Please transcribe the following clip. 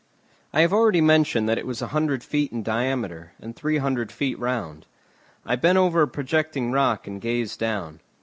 I have already mentioned that it was a hundred feet in diameter, and three hundred feet round. I bent over a projecting rock and gazed down.